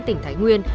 tỉnh thái nguyên